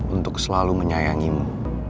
untuk selalu menyayangimu